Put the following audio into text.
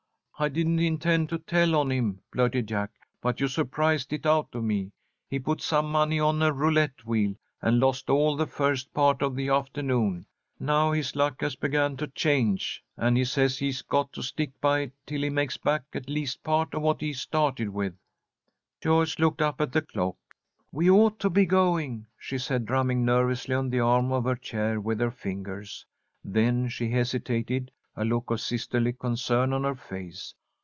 "I didn't intend to tell on him," blurted Jack, "but you surprised it out of me. He put some money on a roulette wheel, and lost all the first part of the afternoon. Now his luck has begun to change, and he says he's got to stick by it till he makes back at least a part of what he started with." Joyce looked up at the clock. "We ought to be going," she said, drumming nervously on the arm of her chair with her fingers. Then she hesitated, a look of sisterly concern on her face.